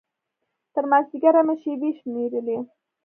تر مازديګره مې شېبې شمېرلې.